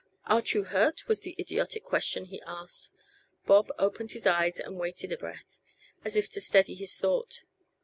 "Art you hurt?" was the idiotic question he asked. Bob opened his eyes and waited a breath, as if to steady his thought.